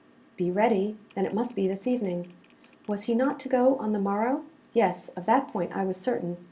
'Be ready!' Then it must be this evening. Was he not to go on the morrow? Yes; of that point I was certain.